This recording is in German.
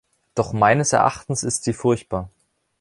Doch meines Erachtens ist sie furchtbar.